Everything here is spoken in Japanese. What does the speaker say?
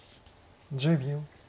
１０秒。